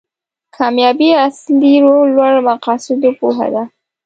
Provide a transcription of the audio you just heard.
کامیابي اصلي روح لوړ مقاصدو پوهه ده.